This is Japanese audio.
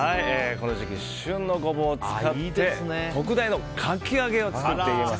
この時期旬のゴボウを使って特大のかき揚げを作っていきます。